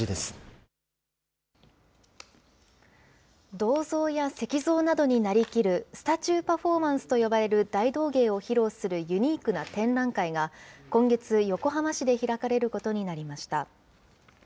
銅像や石像などになりきる、スタチュー・パフォーマンスと呼ばれる大道芸を披露するユニークな展覧会が、今月、横浜市で開かれることになりました。